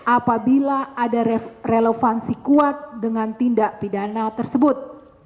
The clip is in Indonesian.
apabila ada relevansi kuat dengan tindak pidana tersebut